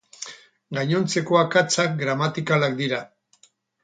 Gainontzeko akatsak gramatikalak dira.